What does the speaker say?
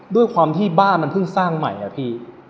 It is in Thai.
ด้วยความที่บ้านมันเพิ่งสร้างใหม่อะพี่